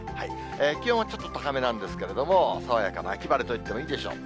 気温はちょっと高めなんですけれども、爽やかな秋晴れといってもいいでしょう。